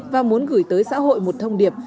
và muốn gửi tới xã hội một thông điệp